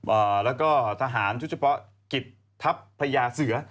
อ่าแล้วก็ทหารทุกช่วงเฉพาะกิบทัพพระยาเสือ